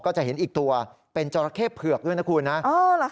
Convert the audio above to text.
จะเห็นอีกตัวเป็นจราเข้เผือกด้วยนะคุณนะ